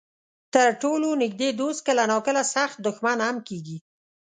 تر ټولو نږدې دوست کله ناکله سخت دښمن هم کېږي.